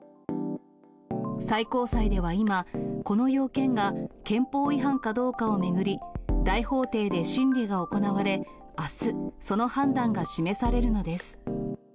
最高裁では今、この要件が憲法違反かどうかを巡り、大法廷で審理が行われ、あすその判断が示されるのです。